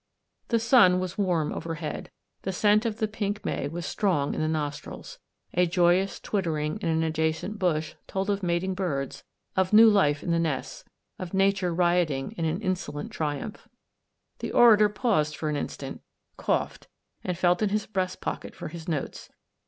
The sun was warm overhead, the scent of the pink may was strong in the nostrils ; a joyous twittering in an adjacent bush told of mating birds, of new life in the nests, of Nature rioting in an insolent triumph. The orator paused for an instant, coughed, and felt in his breast pocket for his notes.